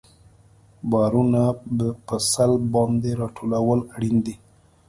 بارونه په سلب باندې راټولول اړین دي